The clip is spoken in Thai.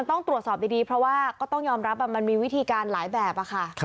ต้องตรวจสอบดีเพราะว่าต้องยอมรับวิธีการหลายแบบ